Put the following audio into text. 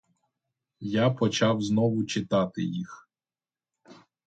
Я почав знову читати їх.